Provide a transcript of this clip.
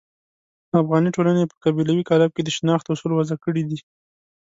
افغاني ټولنې په قبیلوي قالب کې د شناخت اصول وضع کړي دي.